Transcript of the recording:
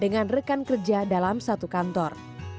dengan rekan kerja dalam satu kantor